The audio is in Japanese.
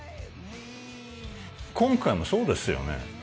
今回もそうですよね